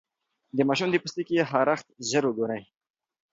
د ماشوم د پوستکي خارښت ژر وګورئ.